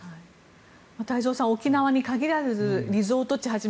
太蔵さん、沖縄に限らずリゾート地はじめ